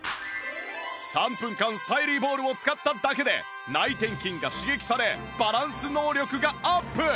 ３分間スタイリーボールを使っただけで内転筋が刺激されバランス能力がアップ！